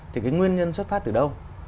thì cái nguyên nhân xuất phát từ đâu